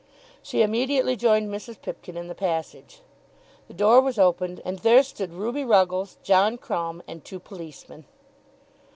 She immediately joined Mrs. Pipkin in the passage. The door was opened, and there stood Ruby Ruggles, John Crumb, and two policemen!